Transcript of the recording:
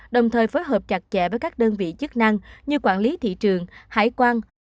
đồng thời phối hợp chặt chẽ với các đơn vị chức năng như quản lý thị trường hải quan